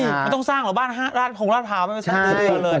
มันต้องสร้างหรอบ้านหลาดผองหลาดผาวไม่ใช่ไหม